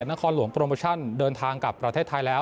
นครหลวงโปรโมชั่นเดินทางกลับประเทศไทยแล้ว